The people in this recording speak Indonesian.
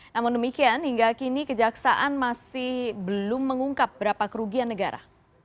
namun demikian hingga kini kejaksaan masih belum mengungkap berapa kerugian negara